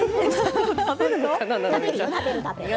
食べるよ。